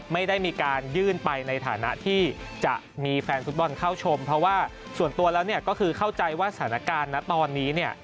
ไม่ได้มีการยื่นไปในฐานะที่จะมีแฟนฟุตบอลเข้าชมเพราะว่าส่วนตัวแล้วเนี่ยก็คือเข้าใจว่าสถานการณ์นะตอนนี้เนี่ย